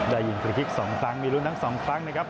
ได้ยินฟรีคลิก๒ครั้งมีรุ้นทั้ง๒ครั้งนะครับ